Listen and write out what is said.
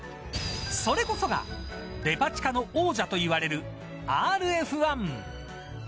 それこそがデパ地下の王者といわれるＲＦ−１。